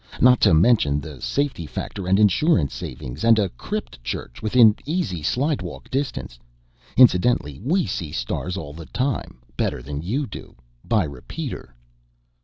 Not to mention the safety factor and insurance savings and a crypt church within easy slidewalk distance. Incidentally, we see the stars all the time, better than you do by repeater."